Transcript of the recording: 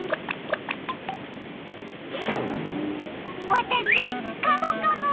わたしカモカモ！